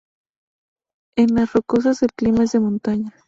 En las Rocosas el clima es de montaña.